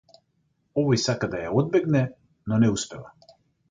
Овој сака да ја одбегне, но не успева.